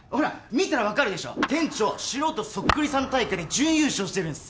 見たら分かるでしょ店長は素人そっくりさん大会で準優勝してるんです